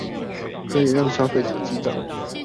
可以讓消費者記帳